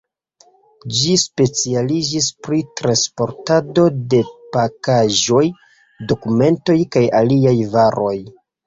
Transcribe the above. Ĝi specialiĝis pri transportado de pakaĵoj, dokumentoj kaj aliaj varoj.